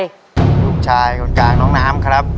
ลูกชายคนกลางน้องน้ำครับ